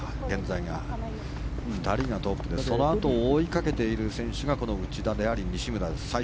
現在、２人がトップでそのあとを追いかけている選手がこの内田であり西村です。